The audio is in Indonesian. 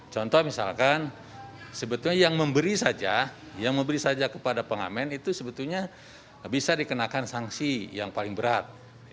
contoh misalkan sebetulnya yang memberi saja yang memberi saja kepada pengamen itu sebetulnya bisa dikenakan sanksi yang paling berat